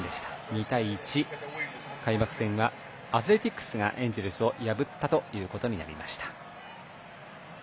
２対１、開幕戦がアスレティックスがエンジェルスを破ったということになりました。